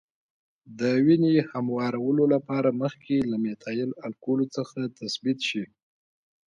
د وینې هموارولو لپاره مخکې له میتایل الکولو څخه تثبیت شي.